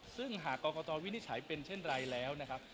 ซึ่งหากกรกตวินิจฉัยเป็นเช่นไรแล้วนะครับ